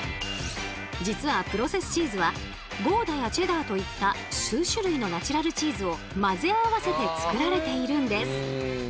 実はプロセスチーズはゴーダやチェダーといった数種類のナチュラルチーズを混ぜ合わせて作られているんです。